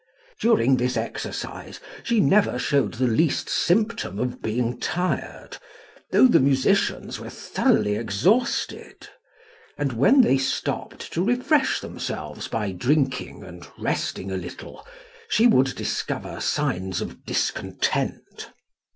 During this exercise she never showed the least symptom of being tired, though the musicians were thoroughly exhausted; and when they stopped to refresh themselves by drinking and resting a little she would discover signs of discontent.